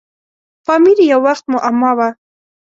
پامیر یو وخت معما وه.